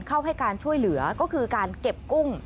ให้การช่วยเหลือก็คือการเก็บกุ้ง